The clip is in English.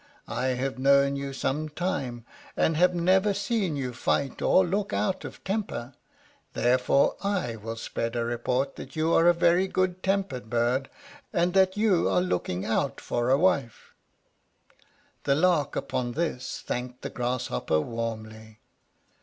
I have known you some time, and have never seen you fight or look out of temper; therefore I will spread a report that you are a very good tempered bird, and that you are looking out for a wife." The Lark upon this thanked the Grasshopper warmly.